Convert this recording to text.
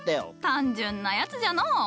単純なヤツじゃのう。